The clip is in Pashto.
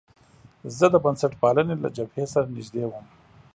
زه د بنسټپالنې له جبهې سره نژدې وم.